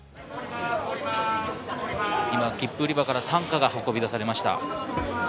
今、切符売り場から担架が運び出されました。